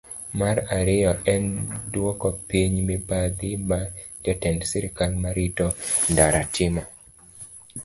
Mar ariyo, en dwoko piny mibadhi ma jotend sirkal ma rito ndara timo.